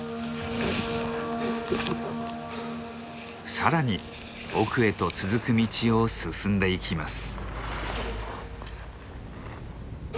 さらに奥へと続く道を進んでいきます。